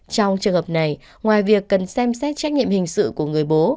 trong trường hợp này ngoài việc cần xem xét trách nhiệm hình sự của người bố